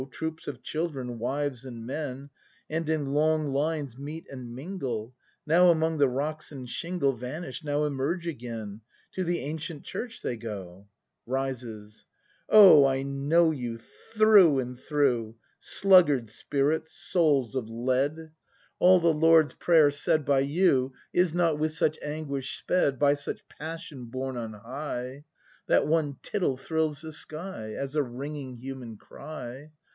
Troops of children, wives and men. And in long lines meet and mingle, Now among the rocks and shingle Vanish, now emerge again; — To the ancient Church they go. [Rises.] Oh, I know you, through and through! Sluggard spirits, souls of lead! ACT I] BRAND 49 All the Lord's Prayer, said by you, Is not with such anguish sped. By such passion borne on high. That one tittle thrills the sky As a ringing human cry.